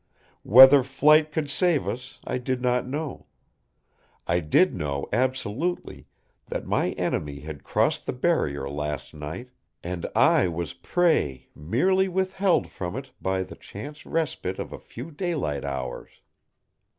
Whether flight could save us I did not know. I did know absolutely that my enemy had crossed the Barrier last night, and I was prey merely withheld from It by the chance respite of a few daylight hours.